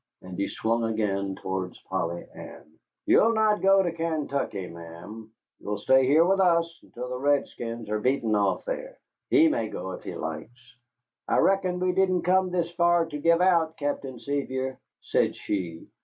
And he swung again towards Polly Ann. "You'll not go to Kaintuckee, ma'am; you'll stay here with us until the redskins are beaten off there. He may go if he likes." "I reckon we didn't come this far to give out, Captain Sevier," said she.